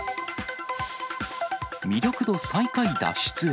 魅力度最下位脱出へ。